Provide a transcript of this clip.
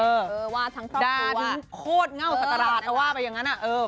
เออว่าทั้งท่องตัวดาถึงโคตรเง่าสัตราถ้าว่าไปอย่างงั้นเออ